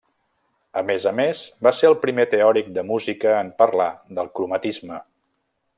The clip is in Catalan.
A més a més, va ser el primer teòric de música en parlar del cromatisme.